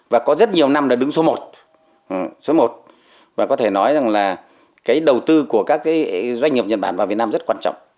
việt nam là đứng số một và có thể nói rằng là cái đầu tư của các doanh nghiệp nhật bản vào việt nam rất quan trọng